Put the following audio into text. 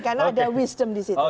karena ada wisdom di situ